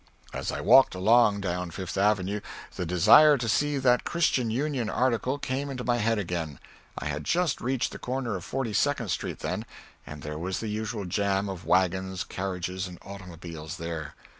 As I walked along down Fifth Avenue the desire to see that "Christian Union" article came into my head again. I had just reached the corner of 42nd Street then, and there was the usual jam of wagons, carriages, and automobiles there.